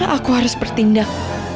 aku harus bertindak